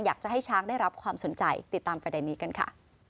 อยากจะให้ช้างได้รับความสนใจติดตามประเด็นนี้กันค่ะ